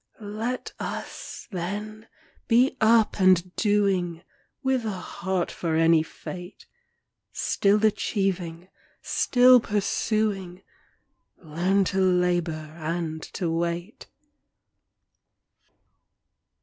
Let us, then, be up and doing, With a heart for any fate ; Still achieving, still pursuing, Learn to labor and to wait.